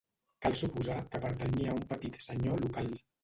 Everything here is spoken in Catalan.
Cal suposar que pertanyia a un petit senyor local.